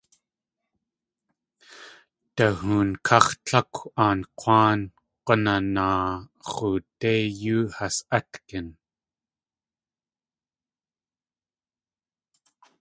Dahoon káx̲ Tlákw Aan K̲wáan G̲unanaa x̲oodé yoo has .átgin.